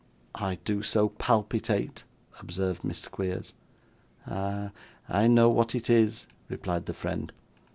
'I do so palpitate,' observed Miss Squeers. 'Ah! I know what it is,' replied the friend.